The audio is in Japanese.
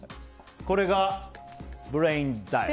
これがブレインダイブ！